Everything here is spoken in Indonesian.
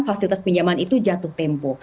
fasilitas pinjaman itu jatuh tempo